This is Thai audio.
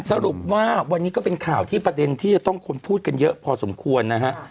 สรุปว่าวันนี้ก็เป็นข่าวที่ประเด็นที่จะต้องคนพูดกันเยอะพอสมควรนะฮะ